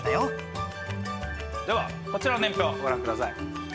ではこちらの年表をご覧ください。